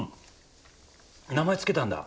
名前付けたんだ？